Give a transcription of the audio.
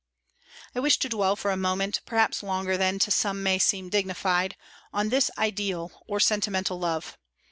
I wish to dwell for a moment, perhaps longer than to some may seem dignified, on this ideal or sentimental love.